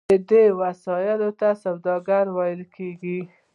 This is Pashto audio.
دې وسیلو ته سوداګر ویل کیدل.